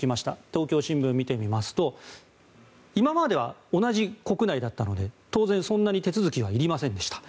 東京新聞を見てみますと今までは同じ国内だったので当然、そんなに手続きはいりませんでした。